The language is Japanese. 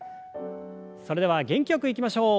それでは元気よくいきましょう。